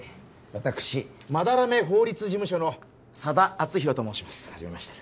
私斑目法律事務所の佐田篤弘と申します